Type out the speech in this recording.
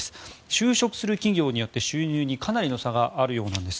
就職する企業によって収入にかなりの差があるようなんです。